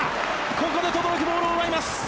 ここで轟、ボールを奪います。